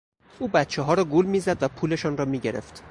او بچهها را گول میزد و پولشان را میگرفت.